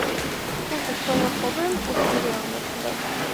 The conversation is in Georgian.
თუმცა შოლოხოვი უძლური აღმოჩნდა.